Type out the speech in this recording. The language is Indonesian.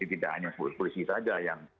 jadi tidak hanya polisi saja yang